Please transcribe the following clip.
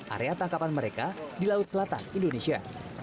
area tangkapan mereka di laut selatan indonesia